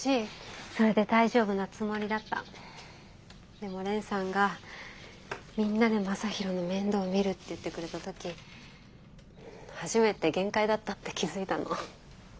でも蓮さんがみんなで将大の面倒を見るって言ってくれた時初めて限界だったって気付いたの。